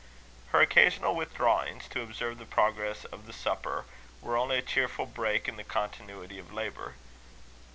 Her occasional withdrawings, to observe the progress of the supper, were only a cheerful break in the continuity of labour.